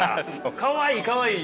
「かわいいかわいい」